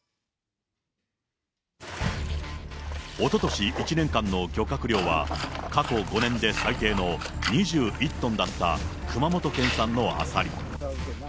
おととし１年間の漁獲量は、過去５年で最低の２１トンだった熊本県産のアサリ。